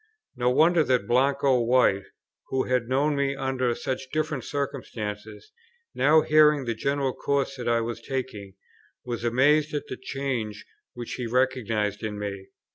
No wonder that Blanco White, who had known me under such different circumstances, now hearing the general course that I was taking, was amazed at the change which he recognized in me.